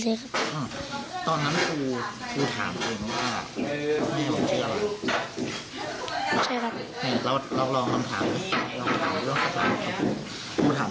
แต่ก็บอกว่าไม่ใช่ครับ